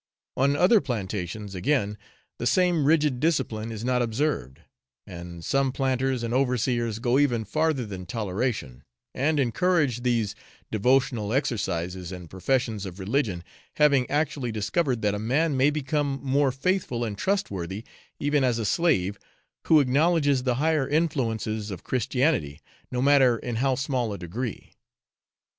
On other plantations, again, the same rigid discipline is not observed; and some planters and overseers go even farther than toleration; and encourage these devotional exercises and professions of religion, having actually discovered that a man may become more faithful and trustworthy even as a slave, who acknowledges the higher influences of Christianity, no matter in how small a degree.